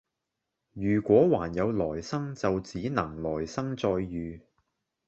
如果還有來生就只能來生再遇